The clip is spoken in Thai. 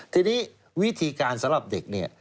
ทีนี้วิธีการสำหรับเด็กเนี่ย